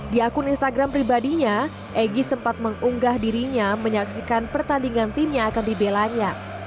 di akun instagram pribadinya egy sempat mengunggah dirinya menyaksikan pertandingan tim yang akan dibelanya